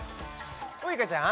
ウイカちゃん？